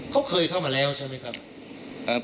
เขาเคยเข้ามาแล้วใช่ไหมครับ